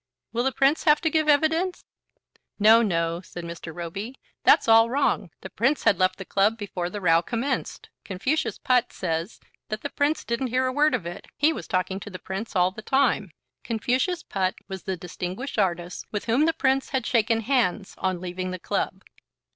"Will the Prince have to give evidence?" "No, no," said Mr. Roby. "That's all wrong. The Prince had left the club before the row commenced. Confucius Putt says that the Prince didn't hear a word of it. He was talking to the Prince all the time." Confucius Putt was the distinguished artist with whom the Prince had shaken hands on leaving the club.